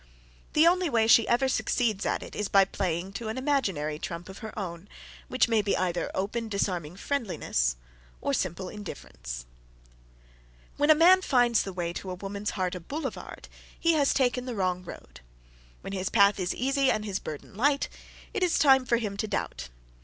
The only way she ever succeeds at it is by playing to an imaginary trump of her own, which may be either open, disarming friendliness, or simple indifference. When a man finds the way to a woman's heart a boulevard, he has taken the wrong road. When his path is easy and his burden light, it is time for him to doubt.